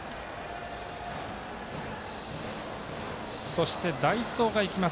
そして、代走がいきます。